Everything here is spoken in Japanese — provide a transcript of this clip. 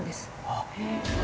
あっ。